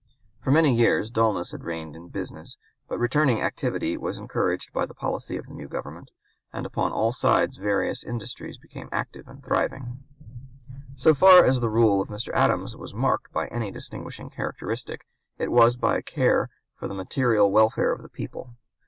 For many years dulness had reigned in business, but returning activity was encouraged by (p. 194) the policy of the new Government, and upon all sides various industries became active and thriving. So far as the rule of Mr. Adams was marked by any distinguishing characteristic, it was by a care for the material welfare of the people.